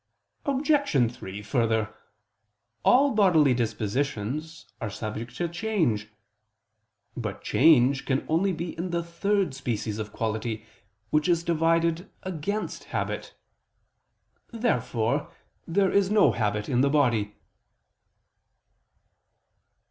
Obj. 3: Further, all bodily dispositions are subject to change. But change can only be in the third species of quality, which is divided against habit. Therefore there is no habit in the body.